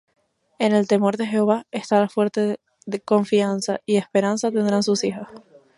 En el temor de Jehová está la fuerte confianza; Y esperanza tendrán sus hijos.